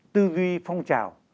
tư duy phong trào